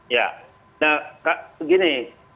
ya nah begini